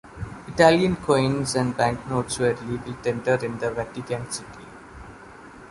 Italian coins and banknotes were legal tender in the Vatican City.